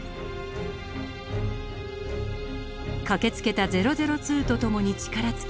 駆けつけた００２と共に力尽き